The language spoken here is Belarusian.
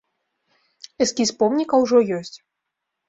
Эскіз помніка ўжо ёсць.